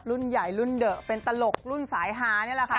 รุ่นใหญ่รุ่นเดอะเป็นตลกรุ่นสายฮานี่แหละค่ะ